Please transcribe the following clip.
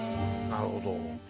なるほど。